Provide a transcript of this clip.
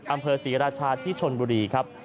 อำเภอศรีราชาที่ชนบุรีครับ